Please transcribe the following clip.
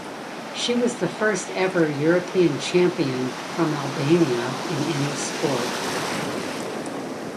She was the first ever European champion from Albania in any sport.